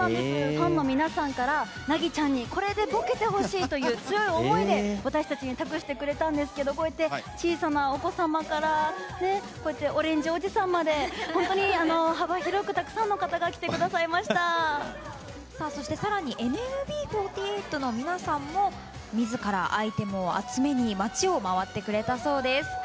ファンの皆さんからなぎちゃんにこれでぼけてほしいという強い思いで私たちに託してくれたんですけどこうやって小さなお子様からオレンジおじさんまで本当に幅広くたくさんの方がそしてさらにＮＭＢ４８の皆さんも自らアイテムを集めに街を回ってくれたそうです。